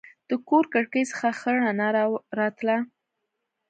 د کور کړکۍ څخه ښه رڼا راتله.